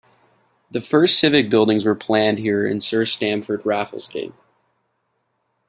The first civic buildings were planned here in Sir Stamford Raffles' day.